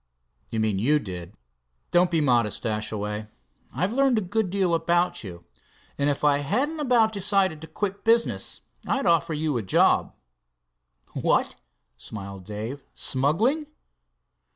"You mean you did. Don't be modest, Dashaway. I've learned a good deal about you, and if I hadn't about decided to quit business I'd offer you a job." "What!" smiled Dave "smuggling?"